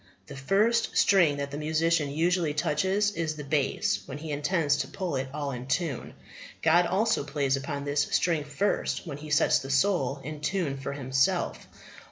The first string that the musician usually touches is the base when he intends to put all in tune. God also plays upon this string first when He sets the soul in tune for Himself.